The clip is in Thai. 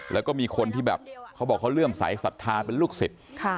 และก็มีคนที่แบบเขาบอกว่าเรื่องสายศรัทธาเป็นลูกศิษย์